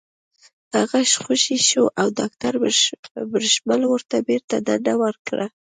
هغه خوشې شو او داکتر بشرمل ورته بېرته دنده ورکړه